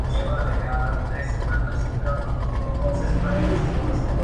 Son epífitas, probablemente grandes.